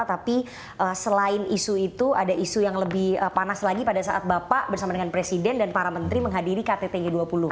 tapi selain isu itu ada isu yang lebih panas lagi pada saat bapak bersama dengan presiden dan para menteri menghadiri kttg dua puluh